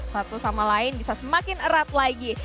satu sama lain bisa semakin erat lagi